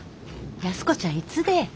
安子ちゃんいつでえ？